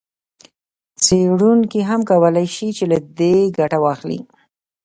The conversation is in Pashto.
څېړونکي هم کولای شي له دې ګټه واخلي.